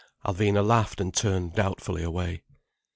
Alvina laughed, and turned doubtfully away.